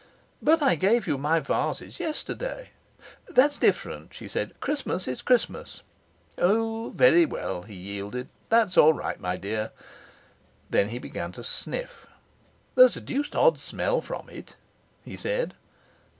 'But I gave you my vases yesterday.' 'That's different,' she said. 'Christmas is Christmas.' 'Oh, very well,' he yielded. 'That's all right, my dear.' Then he began to sniff. 'There's a deuced odd smell from it,' he said.